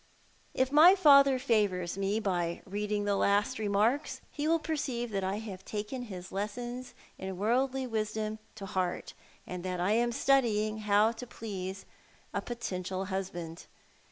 If my father favours me by reading the last remarks he will perceive that I have taken his lessons in worldly wisdom to heart, and that I am studying how to please a potential husband.